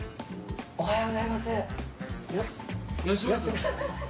おはようございます吉村さん